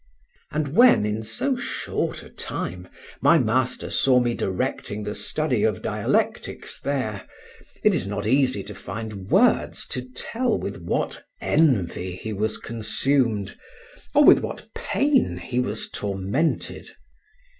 And when, in so short a time, my master saw me directing the study of dialectics there, it is not easy to find words to tell with what envy he was consumed or with what pain he was tormented.